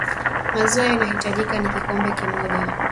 maziwa yanayohitajika ni kikombe kimoja